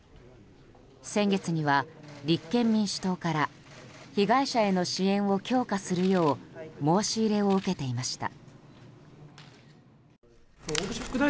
先月には、立憲民主党から被害者への支援を強化するよう申し入れを受けていました。